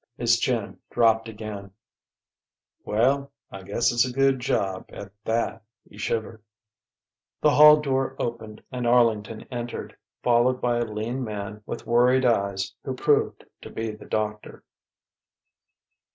His chin dropped again. "Well ... I guess it's a good job ... at that...." He shivered. The hall door opened and Arlington entered, followed by a lean man with worried eyes who proved to be the doctor.